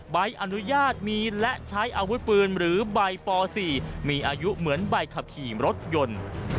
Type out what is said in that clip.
ใบอนุญาตมีและใช้อาวุธปืนหรือใบป๔มีอายุเหมือนใบขับขี่รถยนต์